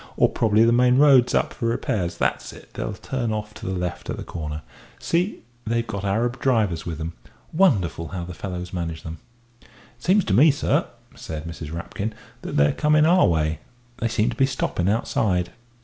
Or probably the main road's up for repairs. That's it they'll turn off to the left at the corner. See, they've got Arab drivers with them. Wonderful how the fellows manage them." "It seems to me, sir," said Mrs. Rapkin, "that they're coming our way they seem to be stopping outside."